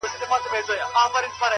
o ټول عمر تكه توره شپه وي رڼا كډه كړې،